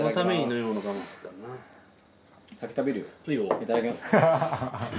いただきます。